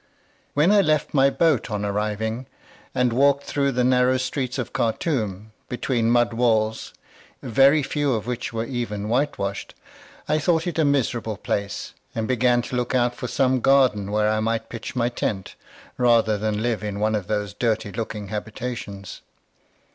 When I left my boat, on arriving, and walked through the narrow streets of Khartoum, between mud walls, very few of which were even whitewashed, I thought it a miserable place, and began to look out for some garden where I might pitch my tent, rather than live in one of those dirty looking habitations.